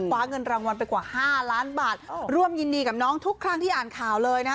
เงินรางวัลไปกว่า๕ล้านบาทร่วมยินดีกับน้องทุกครั้งที่อ่านข่าวเลยนะคะ